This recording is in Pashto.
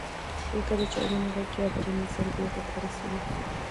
لکه د چاودنې غږ یا درنې ضربې غږ ورسېږي.